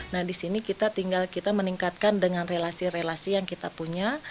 nah di sini kita tinggal kita meningkatkan dengan relasi relasi yang kita punya